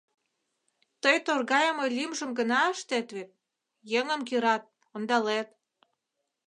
Тый торгайыме лӱмжым гына ыштет вет, еҥым кӱрат, ондалет...